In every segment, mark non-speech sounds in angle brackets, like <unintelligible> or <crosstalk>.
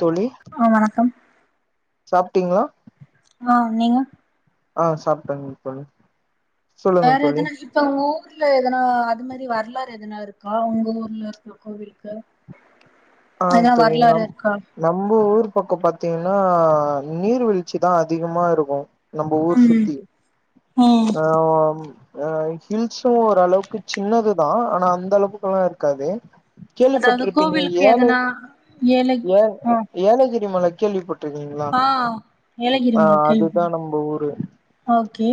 தோழி ஆ வணக்கம் சாப் ட்டிங்ளா அ நீங்க அ சாப்ட்டங்க தோழி சொல்லுங்க வேற தோழி எதுன ஹிப்பாங்ளோ ஊர்ல எதனா அது மாரி வரலாறு எதனாருக்கா உங்க ஊர்ல இருக்குற கோவில்க்கு ஆ தோழி நம் நம்ம ஊர் பக்கோ பாத் பத்தீங்னா நீர்வீழ்ச்சி தா அதிகமா இருக்கு நம்ப ஊர் ம் சுத்தி ம் எ வ வ் அ ஹீல்ஸு ஓரளவுக்கு சின்னதுதா ஆனா அந்த அளவுக்கெல்லா இருக்காது அதாவது கேள்விப்பட்ருப்பீங்க கோவிலுக்கு ஏலை எதனா ஏழை எ ஏலகிரி மலை கேள்விப்பட் அ, ஏலகிரி மல அதுதா கேள்விபட்ருக்க, நம்ம ஊரு ஓகே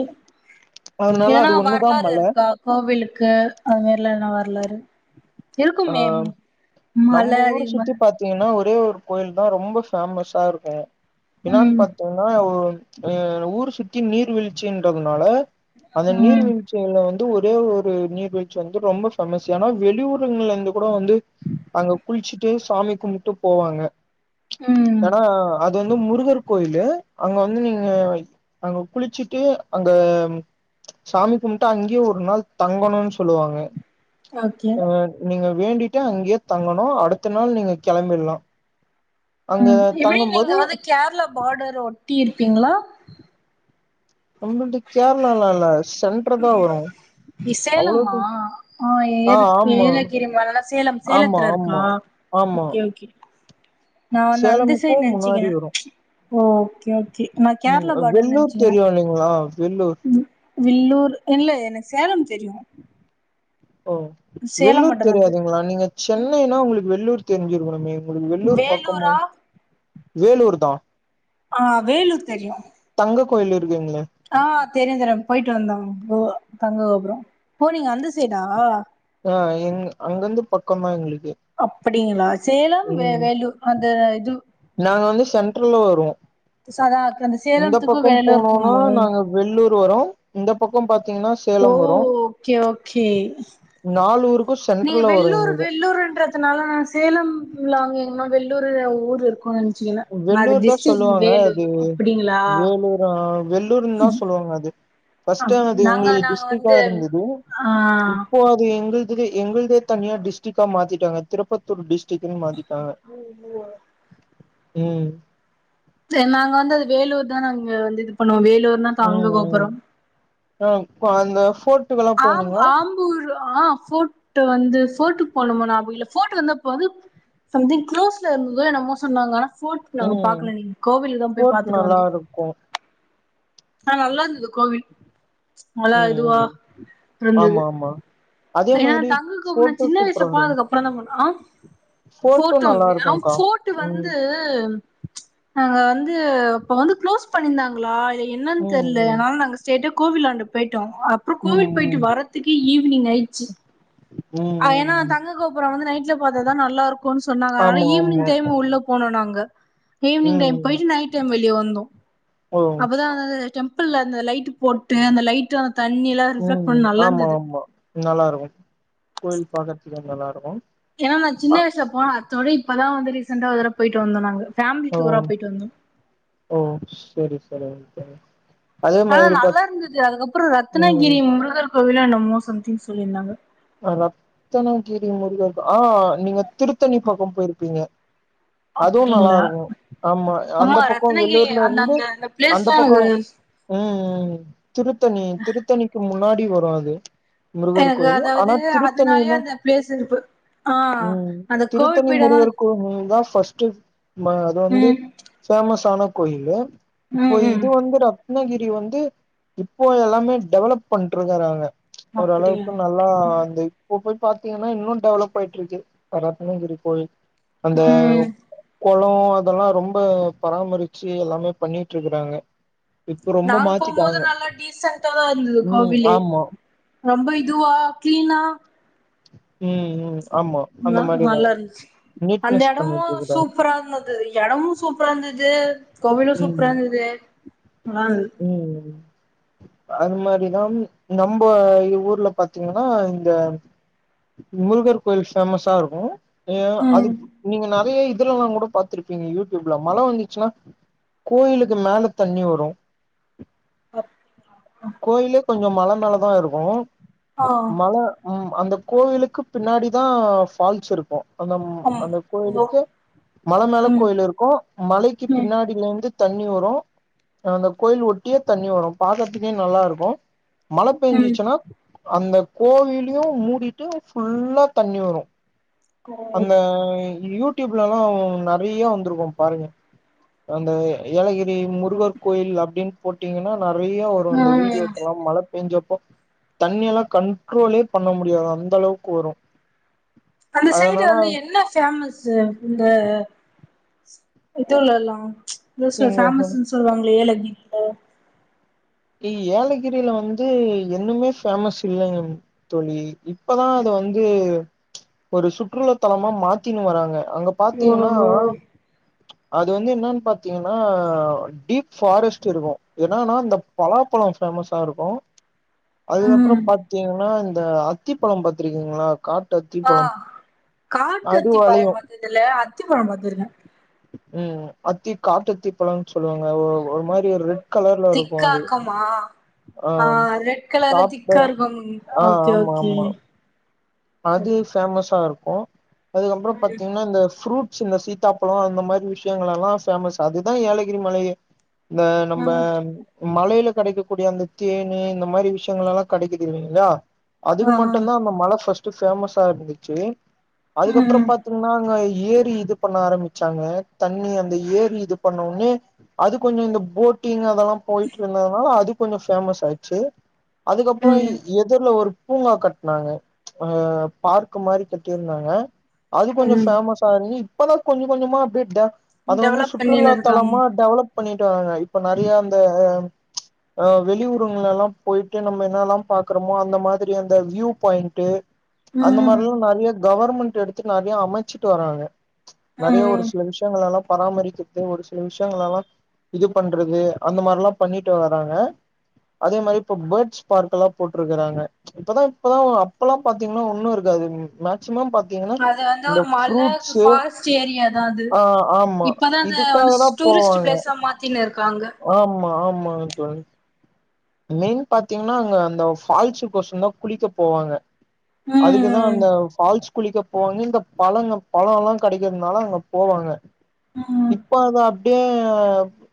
அதனால எதனா அது ஒண்ணுதா வரலாறு மல இருக்கா கோவிலுக்கு அது இல்ல எதனா வரலாறு ஆ இருக்குமே மல நம்ம ஊர அதிகமா சுத்தி பாத்தீங்கன்னா ஒரே ஒரு கோயில்தா ரொம்ப ஃபேமஸா இருக்கு என்னானு ம் பாத்தீங்னா ஓ ம், ஊர் சுத்தி நீர் வீழ்ச்சின்றதுனால அந்த ம் நீர்வீழ்ச்சியில வந் து ஒரே ஒரு நீர்வீழ்ச்சி வந்து ரொம்ப ஃபேமஸ் ஏன்னா வெளியூ ருங்கலேருந்து கூட வந்து அங்க குளிச்சுட்டு சாமி கும்புட்டு போவாங்க ம் ஏனா அ து வந்து முருகர் கோயிலு அங்க வந்து நீங்க அங்க குளிச்சுட்டு அங்க சாமி கும்புட்டு அங்கேயே ஒரு நாள் தங்கணுனு சொல்லுவாங்க ஓகே ஆ நீங்க வேண்டிட்டு அங்கயே தங்கணு அடுத்த நாள் நீங்க கெளம்பிட்லா ம் எப்டி நீங்க வந்து கேர்ளா பாடர் ஒ ட்டி இருப்பீங்ளா <unintelligible> இல்ல சென்ட்ரதா வரு நீ அவ்ளோ சேலம்மா ஆ ஏர் ஏலகிரிமலல சேலம் ஆமா சேலத்துல ஆமா இருக்கா ஆமா ஓகே ஓகே நா வந்து அந்த சேலமுக்கு சைடு முன்னாடி நெனச்சிக்கிறே வரு ஓ ஓக்கே ஓக்கே உம் வெல்லூர் தெரியு இல்லைங்களா வெல்லூர் ம் வில்லூர் இல்ல எனக்கு சேலம் தெரியு ஓ சேலம் வெள்ளூர் மட்டுந்தா தெரியு தெரியாதுங்களா நீங்க சென்னைன்னா உங்களுக்கு வெள்ளூர் தெரிஞ்சுருக்கணுமே உங்களுக்கு வெள்ளூர் பக்கமு வேலூரா வேலூர் தா ஆஹ் வேலூர் தெரியு அங்க கோயிலு ஆஹ் தெரியு தெரியு போயிட்டு வந்தோ <unintelligible> தங்க கோபுர ஓ நீங்க அந்த சைடா அ எங்க அங்கிருந்து பக்கந்தா எங்களுக் அப்படிங்களா சேலம் வே வேலு அந்த இது சென்ட்ர்ல வருவோ சா அந்த சேலத்துக்கு வேலூருக்குமா வரு இந்த பக்க பாத்து ஓ ஓகே ஓகே நாலு ஊருக்கு நீங்க சென்ட்ரல்ல வரு வெள்ளூர் எங்களுக்கு வெள்ளூர்ன்றதுனால நா சேலம் உள்ளார வெள்ளூர் ஊர் இருக்கோ வெள்ளூர் தா சொல்லுவாங்க அது அப்டிங்களா வேலூரா வெல்லூர் னு தா சொல்வாங்க அது ஃபஸ்ட் டைம் அது நாங்க எங்களுது நாங்க டிஸ்ட்ரிக்கா வந்து இருந்துது ஆ இப்போ அது எங்குளுது இது எங்குளுதே தனியா டிஸ்ட்ரிக்கா மாத்திட்டாங்க திருப்பத்தூர் டிஸ்ட் ட்ரிக்ட் மாத்திட்டாங்க ம் சரி நாங்க வந்து அத வேலூர் தா நாங்க வந்து இது பண்ணுவோ வே வந்தா ம் தங்குவோ ம் அப்புற போட் ஆம் ஆம்பூர் ஆஹ் ஃபோர்ட்டு வந்து ஃபோர்ட்டுக்கு போன மாரி ஞாபக இல்ல ஃபோட்டு வந்து அப்ப வந்து சம்திங் குளோஸ்டு ல இருந்துதோ என்னமோ சொன்னாங்க ஆனா ஃபோட் நாங்க ம் பாக்கல கோவில் தா போய் ஃபோர்ட் பாத்துட்டு நல்லா வந்தோ இருக்கு ஆ நல்லாருந்தது கோவில் நல்லா இதுவா ம் ம் இருந்தது ஆமா ஆமா அதே ஏன்னா மாதிரி தங்குக்குப்பன் ஃபோர்ட்டு சின்ன வயசுல சூப்பரா இருக்கு போனதுக்கு அப்பற தா போனா அ ஃபோர்ட்டு போர்ட் நல்லா ஆஹ் இருக்கும்க்கா போர்ட்டு ம் வந்து அஹ் வந்து இப்ப வந்து குளோஸ் பண்ணியிருந்தாங்களா இப் என்னன்னு தெரியல ம் ம் அதனால நாங்க ஸ்டைட்டா கோவிலாண்ட பேய் ம் கோவிட் போய்ட்டு ம் வரதுக்கே ஈவினிங் ஆய்டுச்சு ம் ம் ஏன்னா ம் தங்க கோபுரம் வந்து நைட்ல பாத்தாத நல்லாருக்கு சொன்னாங்க ஆமா ஈவினிங் ஆமா டைம் உள்ள போனோ நாங்க க ஈவ்னிங் டைம் ம் போய் நைட் டைம் வெளிய வந்தோ ஓ அப் டெம்பிள்ல அந்த லைட் போட்டு அந்த லைட்டா தண்ணில்லா இருந்தா கொஞ்ச நல்லாருந்தது நல்லாருக்கு கோயில் போகுறதுக்கு நல்லாருக்கு என்னா நா சின்ன வயசுல போனா தோட இப்ப தா வந்து ரீசென்ட்டா வந்து போய்ட்டு வந்தோ நாங்க ஃபேமிலி ஓ டூரா போயிட்டு வந்தோம் ஓ சேரி சரி சரி ஆனா நல்லா இருந்தது அதுக்கப்பற ம் ரத்னகிரி முருகர் கோயிலோ என்னமோ சம்திங் சொல்லிருந்தாங்க ரத்னகிரி முருகர் ஆ நீங்க திருத்தண்ணி பக்கம் போயிருக்கீங்க அதுவு அப்படிங்களா நல்லாருக்கு ஆமா அந்த பக்க ரத்னகிரி உள்ளூர்ல அந்த இருந்து அந்த அந்த பிளேஸ்லாம் பக்க எனக்கு ம் ம் திருத்தணி திருத்தணிக்கு முன்னா எப்டி வரு அது முருகர் கோயில் ஆனா இதுவே திருத்தணி அதனாலே தா அந்த பிளேஸ் இரு ஆஹ் அந்த கோவிட் பீரியட் இதா பர்ஸ்ட்டு ஆமா அது வந்து பேமஸ் ஆன கொய்ல இப்போ ம் ம் இது வந்து ர கிருஷ்ணகிரி வந்து இப்போ எல்லாமே டெவலப் பண்ட்ருக்கறாங்க அப்டியா இப்பலா இந்த <unintelligible> பாத்தீங்கன்னா இன்னும் டெவலப் ஆயிட்ருக்கு ரத்னகிரி கோயி அந்த ம் கொளொ அதெல்லா ரொம்ப பராமரிச்சு எல்லாமே பண்ணிட்ருக்குறாங்க நாங்க போம்போது நல்லா டீசன்ட்டாதா இருந்துது ம் கோவிலே ஆமா ரொம்ப இதுவா க்ளீனா ம் ம் ஆமா அந்த ல மாரிதா நல்லா இருந்துச்சு அந்த நீட்னஸ் எடமு பண்ணிட்டு இருக்கறாங்க சூப்பரா இருந்தது எடமு சூப் ப்ரா இருந்துது கோவிலு ம் சூப்பராந்துது நல்லாந் ம் அது மாரிதாம் நம்ப இ ஊர்ல பாத்தீங்கன்னா இந்த முருகர் கோயில் ஃபேமஸா இருக்கு ஏ ம் அதுக் நீங்க ந அதையே இதுலல்லாங் கூட பாத்துருப்பீங்க யூடியூப்ல மழ வந்துச்சுன்னா கோயிலுக்கு மேல தண்ணி வரு கோயிலு கொஞ்ச மல மேலதா இருக்கு ஆ மல ம் அந்த கோவிலுக்கு பின்னாடிதா ஃபால்ஸ் இருக்கு அந்த ம் ஆமா அந்த ஹலோ கோயிலுக்கு மல மேல ம் கோயில் இருக்கு மலைக்கு ம் பின்னாடில இருந்து தண்ணி வரு அந்த கோயில் ஒட்டியே தண்ணி வரு பாக் கறதுக்கே நல்லாருக்கு மழ ம் பேஞ்சிச்சினா அந்த கோவிலுயு மூடிட்டு ஃபுல்லா தண்ணி வரு ஓ அந்த யூடியூப்லல்லா நெறைய வந்துருக்கும் பாருங்க அந்த ஏலகிரி முருகர் கோயில் அப்டின் போட்டிங்கனா நெறைய்ய இப்ப அந்த ம் வீடியோஸ் எல்லா மழ பேஞ்சப்ப தண்ணி எல்லா கண்ட்ரோலே பண்ண முடியாது அந்த அளவுக்கு வரு அந்த சைடு அதனால வந்து என்ன ஃபேமஸு இந்த எதுவுல்லலா யோ சில எங்க ஃபேமஸுன் சொல்வாங்ளே ஏலகி ஒ இ ஏலகிரில வந்து என்னுமே பேஃமஸ் இல்லங்க தோழி இப்பதா அத வந்து ஒரு சுற்றுலா தலமா மாத்தினு வராங்க அங்க பாத்தீங்கன்னா ஓஹோ அது வந்து என்னான் பாத்தீங்கன்னா டீப் ஃபாரஸ்ட் இருக்கு ஏன்னனா அந்த பலாப்பழ ஃபேமஸா இருக்கு அதுக்கப்ற ம் பாத்தீங்னா அ இந்த அத்திப்பழ பாத்துருக்கீங்ளா காட்டு ஆ அத்திப்பழ காட்டு அத்திப்பழ பாத்ததுல்ல அத்திப்பழ பாத்துருக்கே ம் அத்தி காட்டத்திபழன் சொல்வாங்க ஒரு மாரி ஒரு ரெட் கலர்ல இருக்கு திக்கா அது இக்குமா ஆ ரெட் கலர்ல சாப்ட திக்கா இருக்கு ஆ ஓகே ஆமா ஓகே ஆமா அது ஃபேமஸா இருக் ஓ அதுக்கப்ற பாத்தீங்கன்னா இந்த ஃப்ரூட் சின்ன சீத்தாப்பழ அந்த மாரி விஷ்யங்கலெல்லா ஃபேமஸ் அதுதா ஏலகிரி மலையே இந்த நம்ப ம் மலைல கடைக்கக்கூடிய அந்த தேன்னு இந்த மாரி விஷ்யங்கலெல்லா கடைக்குது இல்லிங்களா ஆ அதுக்கு ஆ மட்டும்தா அப்ப மலை ஃபஸ்ட் ஃபேமஸா இருந்துச்சு அதுக்கப்பற ம் பாத்தீங்னா அங்காய் ஏரி இது பண்ண ஆரம்பிச்சாங்க தண்ணி அந்த ஏரி இது பண்ண உன்னே அது கொஞ்சம இந்த போட்டிங் அங்கலா போயிட்டு இருந்ததுனால அது கொஞ்ச ஃபேமஸ் ஆயிச்சு அதுக்கப்றோ ம் எதிர்ல ஒரு பூங்கா கட்னாங்க அ பார்க்கு மாரி கட்டி இருந்தாங்க அது கொஞ்ச ம் ஃபேமஸ் ஆகி இப்ப தா கொஞ்ச கொஞ்சமா அப்டே ட அது வந்து டெவலப் சுற்றுலா பண்ணினு இருக்காங்க தலமா டெவலப் பண்ணிட்டு வாராங்க இப்ப நறைய அந்த அ வெளியூருங்கள்ல எல்லா போயிட்டு நம்ம என்னல்லா பாக்குறோமோ அந்த மாதிரி அந்த வியூ பாயிண் ட்டு அந்த ம் மாரில்லா நறைய கவர்மெண் ட் எடுத்து நறைய அமைச்சிட்டு வராங்க நறைய ஒரு ம் சில விஷயங்கள் எல்லா பராமரிக்கிறது ஒரு சில விஷயங்கள் எல்லா இது பண்றது அந்த மாரிலா பண்ணிட்டு வராாங்க அதே மாரி இப்ப பேர்ட்ஸ் பார்க் எல்லா போட்ருக்றாங்க இப்பதா இப்பதா அப்பல்லா பாத்தீங்னா ஒன்னு இருக்காது மேக் அது வந்து ஒரு மல ஃபாரஸ்ட் ஏரியாதா அது, ஆ ஆமா இப்பதா அத வந்து இதுக்காக தா டூரிஸ்ட் போவாங்க பிளேஸா மாத்தினு இருக்காங்க ஆமா ஆமாங்க தோழி மெயின் பாத்தீங்கன்னா அங்க அந்த ஃபால்ஸ் பசங்க தான் குளிக்க போவாங்க அதுக்குதான் ம் அந்த பால்ஸ் குளிக்க போவாங்க இந்த பழங்க பழம் எல்லாம் கிடைக்கிறதுனால அங்க போவாங்க ம் ம் இப்பதான் அப்படியே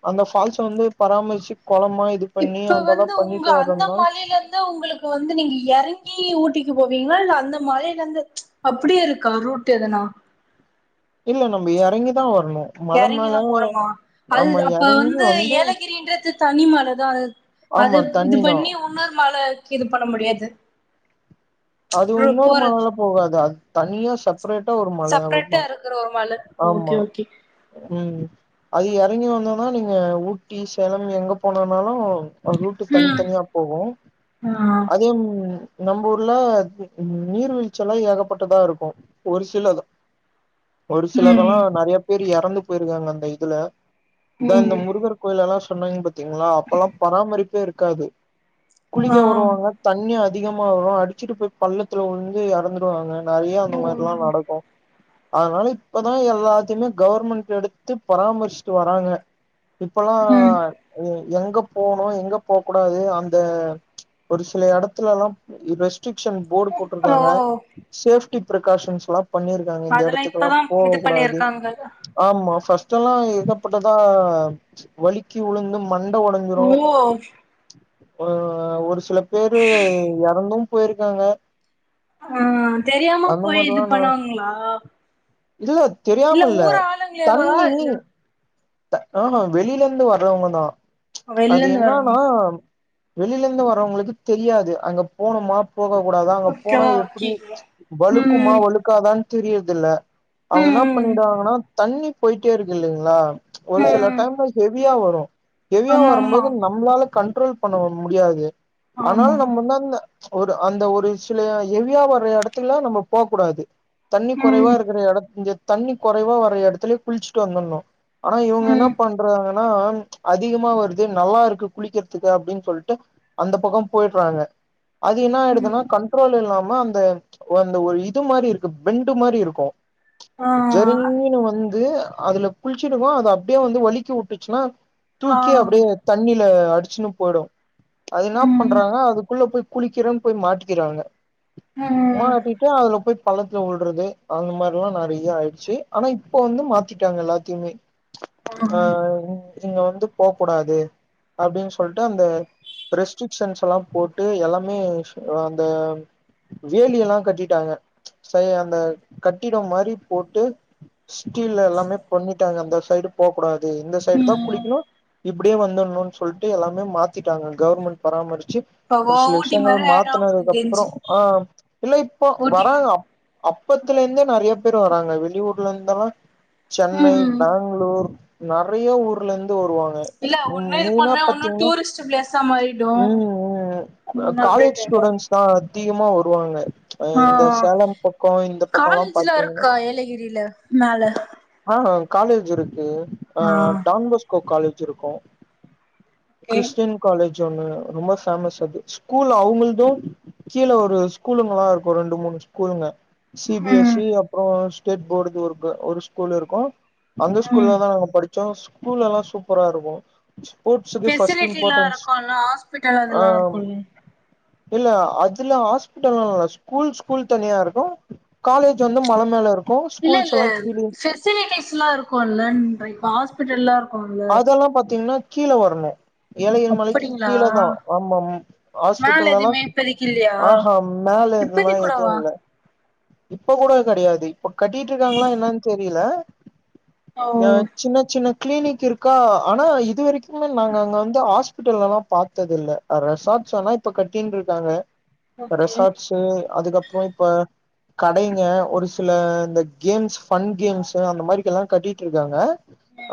அந்த பால்ஸ் வந்து பராமரிச்சு குளமா இது பண்ணி இப்ப அதெல்லா வந்து உங்க பண்ணிட்டு அந்த வர்றதுனால மலைல இருந்து உங்களுக்கு வந்து நீங்க இறங்கி ஊட்டிக்கு போ பீங்களா இல்ல அந்த மழையில இருந்து ம்ச் அப்படியே இருக்கா ரூட் எதுனா இல்ல நம்ம இறங்கிதான் வரனும் இறங்கிதான் போறமா அது ஆமா அப்ப எறங்கி வந்து ஏலகிரின்றது தனி மல தான் அது ஆமா இது தண்ணிதா. பண்ணி உன்னொரு மலை இது பண்ண முடியாது அது ரோ- இன்னொரு போறது மலைல போகாது அது தனியா ச சப்பரேட்டா ஒரு மழையா செப்ரேட்டா இருக்கும் இருக்கிற ஒரு மல ஆமா ஓகே ஓகே உம் அது இறங்கி வந்தோம்னா நீங்க ஊட்டி சேலம் எங்க போனாலும் ரூட்டு் தனி ம் தனியா போகும் ஆ அதே நீங்க நம்பூர் ர்ல நீர்வீழ்ச்சி எல்லாம் ஏகப்பட்டதா இருக்கும் ஒரு சிலதான் ஒரு ம் சிலதெல்லாம் நிறைய பேர் இறந்து போயிருக்காங்க அந்த இதுல இதா இந்த ம் முருகர் கோயில்கலா <unintelligible> திங்களா அப்பல்லா பராமரிப்பே இருக் க்காது ஆ குளிக்க வருவாங்க தண்ணியா அதிகமா வரு அடி ச்சிட்டு போய் பள்ளத்துல உழுந்து எறந்துருவாங்க நறைய அந்த ஓ மாரிலா நடக்கு அதனால இப்பதா எல்லாத்தியுமே கவர்மெண்ட் எடுத்து பராமரிச்சிட்டு வராங்க இப்பல்லா ம் எங்க போணு எங்க போ கூடாது அந்த ஒரு சில எடத்துலலா <unintelligible> க்க்ஷன் போர்டு ஓ போட்ருக்காங்க சேப் பிரிகாஷன்ஸ்லா பண்ணிருக்காங்க இந்த அதெல்லா எடத்துக்கல்லா இப்பதா இது போகக் கூடாது பண்ணிருக்காங்க ஆமா பஸ்ட்டல்லா ஏகப்பட்டதா ஆம் வழிக்கி உழுந்தும் மண்ட ஒடஞ்சிரூ ஓ ஆ ஒருஸ் சில பேரு எறந்தும் போயிருக்காங்க ஆ தெரியாம அந்த போய் இது மாரிலா நா பண்ணுவாங்களா இல்ல இல்ல தெரியாமல்ல ஊர் ஆளுங்களேவா தண்ணி இல்ல த ஆமா வெளிலருந்து வர்றவங்க தா வெளில அது இருந்து என்னான்னா வரவங்க வெளிலேந்து வர்றவங்களுக்கு தெரியாது அங்க போனோமா போக கூடாதா அங்க போனா ஓகேவா எப்டி ஓகேங்களா வழுக்குமா ம் வழுக்காதா தெரியுதுல அவுங்கென்னா ம் பண்ணிடுவாங்கன்னா தண்ணிப் போயிட்டே இருக்கு இல்லைங்ளா ஒரு செல ம் டைம்ல ஹெவியா வரூ <unintelligible> ஹெவியா ஆமா ஆமா வரும்போது நம்ளால கண்ட்ரோல் பண்ண முடியாது ஆமா அத்னால நம்ம என்னாத்ன ஒரு அந்த ஒரு சில ஹெவியா வர்ற எடத்துல நம்ம போக்கூடாது தண்ணி கொறைவா ம் இருக்கற எடத் தெத் தண்ணி கொறைவா வர எடத்துலே குளிச்சுட்டு வந்துட்ணூ ஆனா இவுங்க என்ன ம் பண்றாங்க னா அதிகமா வருது நல்லாருக்கு குளிக்கிறதுக்கு அப்டின் சொல்ட்டு அந்த பக்கோ போயிறாங்க அது என்ன ம் ஆயிடுதுன்னா கண்ட்ரோல் இல்லா மா அந்த அந்த ஒரு இது மாரி இருக்கு பெண்டு மாரி இருக்கூ ஆ ஜரிங்குன்னு வந்து அதுல குள் சிடுவோ அது அப்டே வந்து வழுக்கி உட்டுச்சுன்னா ஆ தூக்கி அப்டே தண்ணி ல அடிச்சுன்னு போய்டூ அது என்ன ம் பண்றாங்க அதுக்குள்ள போய் குளிக்கிறேன் போய் மாட்டிக்கிறாங்க ம் மாட்டிட்டு அதுல போய் பல்லத்துல உல்றது அந்த மாரிலா நெறயா ஆய்றுச்சு ஆனா இப்ப வந்து மாத்திட்டாங்க எல்லா திமே ஆ ஆஹ் இங்க வந்து போக்கூடாது அப்டின்னு சொல்ட்டு அந்த ரெஸ்ட்ரிக்ஷன்ஸ்லாம் போட்டு எல்லாமே அந்த வேலி எல்லாம் கட்டிட்டாங்க சரி அந்த கட்டிடம் மாரி போட்டு ஸ்டீல் எல்லாமே பண்ணிட்டாங்க அந்த சைடு போக்கூடாது து இந்த சைடு தான் ம் குளிக்குணும் இப்டியே வந்துடணும்னு சொல்ட்டு எல்லாமே மாத்திட்டாங்க கவர்மெண்ட் பராமரி ச்சி இப்போ ஒரு சில ஊட்டி விஷயங்கள் மாரி ஆயிடு மாத்தினதுக்கு எனக்கு தெரிஞ்சு அப்புறம் ஆஹ் இல்ல இப்போ ஊட்டி வராங்க மாரி அப் அப்பத்துல இருந்தே நெறயா பேர் வராங்க வெளியூர் ல இருந்தல்லாம் ம் சென்னை ம் பேங்ளூர் நெறயா ஊர்ல இருந் து வருவாங்க இல்ல ம் ஒன்னு இது மெயினா பண்ணா ஒன்னு பாத்தீங்கன்னா டூரிஸ்ட் பிளேஸா மாறிடு உம் உம் ம் அப்டேட் காலேஜ் ஸ்டூடன்ஸ் தான் அதிகமா வருவாங்க அஹ் இந்த ஆஹ் சேலம் பக்கோ இந்த பக்கோல்லா காலேஜ்லா பாத்தீங்கன்னா இருக்கா ஏலகிரில மேல ஆஹ் காலேஜ் இருக் கு ஆ ஆஹ் டான்பஸ்கோ காலேஜ் ஜ் இருக்கும் ஓகே கிரிஸ்டின் காலேஜ் ஜ் ஒன்னு ரொம்ப ஃபேமஸ் அது ஸ்கூல் அவுங்கள்தும் கீழ ஒரு ஸ்கூலுங்கல்லாம் இருக்கும் ரெண்டு மூணு ஸ்கூலுங்க சி பி எஸ் ம் இ அப்றோ ஸ்டேட் போர்டுக்கு ஒருக்க ஒரு ஸ்கூல் இருக் கு அந்த ம் ஸ்கூல்ல தா நாங்க படுச்சோ ஸ்கூல் எல்லா சூப்பரா இருக்கும் ஃபெசிலிட்டில்லா இருக்குல்ல ஆஸ்பிட்டல் ஆ அதல்லா இருக்குல்ல இல்ல அதுல ஹாஸ்பிட்டல்லா இல்ல ஸ்கூல் ஸ்கூல் தனியா இருக்கும் காலேஜ் வந்து மல மேல இருக் இல்ல இல்ல பெசிலிட்டிஸ் யூஸ் ஃபுல்லா இருக்குல்லன்றே ஹாஸ்பிட்டல்லா இருக் அதல்லா பாத்தீங்ன்னா கீழ வரணும் ஏழையல் மலைக்கு அப்படிங்களா கீழ தான் ஆமா மேல ஹாஸ்பிட்டல் எல்லா எதுவுமே இப்பதைக்கு இல்லையா ஆஹா மேல அந்த இப்பதைக்கு மாரி எதும் கூடவா இல்ல இப்ப கூட கெடையாது இப்ப கட்டிட்டு இருக்காங்களா என்னான்னு தெர் புரியல ஓ நா சின்ன சின்ன கிளினிக் இருக் க்கா ஆனா இதுவரைக்கு மே நாங்க அங்க வந்து ஹாஸ் பிட்டல் எல்லா பாத்தது இல்ல ரெசார்ட்ஸ் ஆனா கட்டிங்னு இருக்காங்க ஓகே ரெசார்ட்ஸு அதுக்கப்புற இப்ப கடைங்க ஒரு சில இந்த கேம்ஸ் ஃபன் கேம்ஸு அந்த மாரிக் எல்லா கட்டிட்டு இருக்காங்க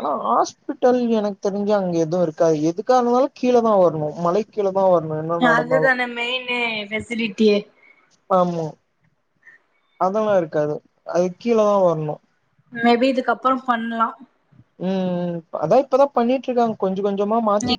ஆனா ஹாஸ் ஹாஸ்பிட்டல் எனக்கு தெரிஞ்சு அங்க எதுவு இருக்காது எதுக்காருந்தாலு கீழ தா வரணு மலைக்கு கீழ தா வரணு என்ன நடந்தாலு அதுதானே மெயினு ஃபெசிலிட்டியே ஆமா அதெல்லா இருக்காது அது கீழதா வரணும் மேபி இதுக்கப்புறம் பண்ணலாம் உம் அதா இப்பதா பண்ணிட்டு இருக்காங்க கொஞ்சம் கொஞ்சமா நீ மாத்திட்டு